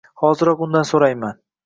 Hoziroq undan so`rayman